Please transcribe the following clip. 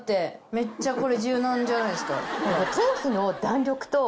めっちゃこれ柔軟じゃないですか？